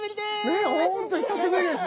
ねえ本当久しぶりです！